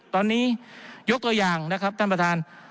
ตอนนี้ยกตัวอย่างนะครับท่านประธาน